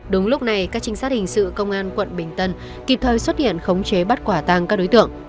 đúng lúc này các trinh sát hình sự công an quận bình tân kịp thời xuất hiện khống chế bắt quả tàng các đối tượng